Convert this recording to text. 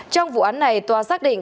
trong vụ án này tòa xác định